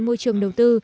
môi trường đầu tư